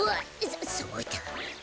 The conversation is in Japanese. そそうだ。